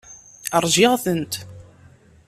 Ṛjiɣ-tent.